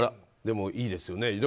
でも、いいですよね。